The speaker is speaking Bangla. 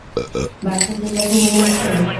বাসন্তির কথা মনে আছে?